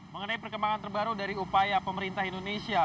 mengenai perkembangan terbaru dari upaya pemerintah indonesia